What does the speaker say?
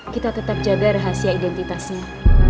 kita tetap jaga rahasia identitasnya